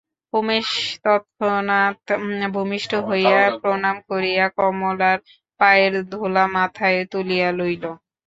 উমেশ তৎক্ষণাৎ ভূমিষ্ঠ হইয়া প্রণাম করিয়া কমলার পায়ের ধুলা মাথায় তুলিয়া লইল।